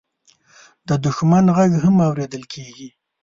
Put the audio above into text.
د دښمن غږ هم اورېدل کېږي.